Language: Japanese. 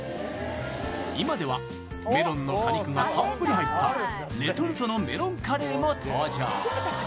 今ではメロンの果肉がたっぷり入ったレトルトのメロンカレーも登場